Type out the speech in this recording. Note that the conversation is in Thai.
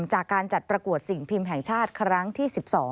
จากการจัดประกวดสิ่งพิมพ์แห่งชาติครั้งที่๑๒